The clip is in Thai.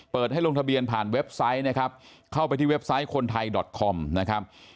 เปิดให้ลงทะเบียนผ่านเว็บไซต์นะครับเข้าไปที่เว็บไซต์คนไทยดอตคอมนะครับ